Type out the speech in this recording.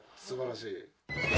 すばらしい。